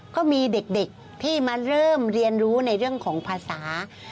ก็มีเด็กที่มาเริ่มเรียนรู้ในเรื่องของภาษา